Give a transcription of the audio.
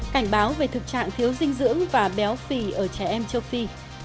cảnh báo về thực trạng thiếu dinh dưỡng và béo phì ở trẻ em châu phi